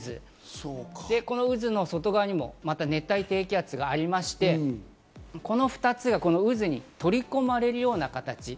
で、この渦の外側にも熱帯低気圧がありまして、この２つが渦に取り込まれるような形。